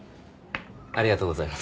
ありがとうございます。